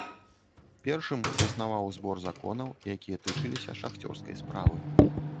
Першым заснаваў збор законаў, якія тычыліся шахцёрскай справы.